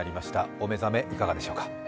お目覚めいかがでしょうか。